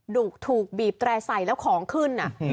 ถูกบีบแตร่ใส่แล้วของขึ้น